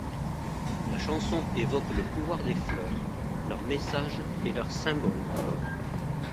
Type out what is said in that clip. La chanson évoque le pouvoir des fleurs, leurs messages et leurs symboles.